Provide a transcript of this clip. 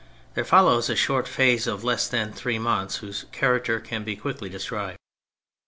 There follows a short phase of less than three months, whose character can be quickly described.